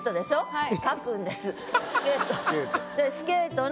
はい。